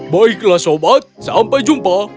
baiklah sobat sampai jumpa